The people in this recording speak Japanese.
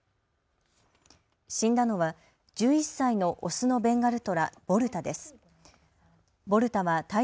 死んだのは１１歳のオスのベンガルトラ、ボルタです。